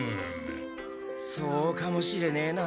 そうかもしれねえな。